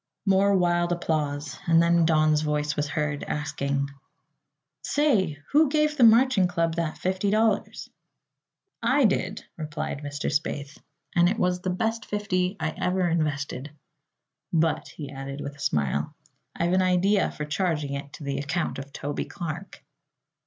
More wild applause, and then Don's voice was heard asking: "Say, who gave the Marching Club that fifty dollars?" "I did," replied Mr. Spaythe, "and it was the best fifty I ever invested. But," he added with a smile, "I've an idea of charging it to the account of Toby Clark."